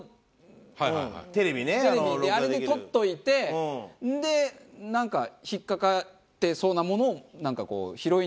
あれで録っといてでなんか引っ掛かってそうなものをなんかこう拾いに戻る感じ。